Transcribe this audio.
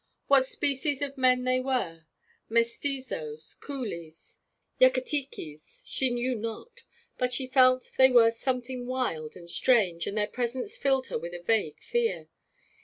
What species of men they were Mestizoes, Coolies, Yucatekes she knew not, but she felt that they were something wild and strange, and their presence filled her with a vague fear.